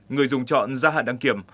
người dùng chọn ra hạn đăng kiểm